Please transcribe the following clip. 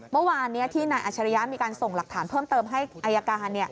เมื่อวานนี้ที่นายอัชริยะมีการส่งหลักฐานเพิ่มเติมให้อายการ